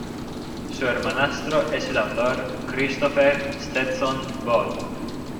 Su hermanastro es el autor Christopher Stetson Boal.